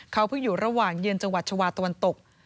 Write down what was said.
เขาเพิ่งอยู่ระหว่างเยือนจังหวัดชาวาตะวันตก